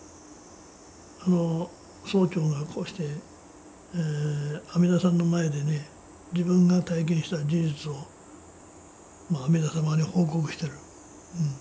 曹長がこうして阿弥陀さんの前でね自分が体験した事実を阿弥陀様に報告してる。